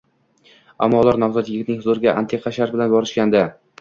Ammo ular nomzod yigitning huzuriga antiqa shart bilan borishgandi